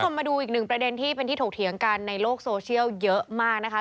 มาดูอีกหนึ่งประเด็นที่เป็นที่ถกเถียงกันในโลกโซเชียลเยอะมากนะคะ